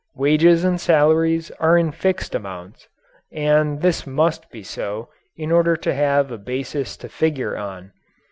Wages and salaries are in fixed amounts, and this must be so, in order to have a basis to figure on.